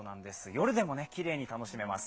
夜でもきれいに楽しめます。